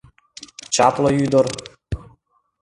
Чапле ӱдыр.